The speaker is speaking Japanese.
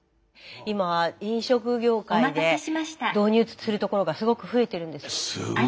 今飲食業界で導入するところがすごく増えてるんです。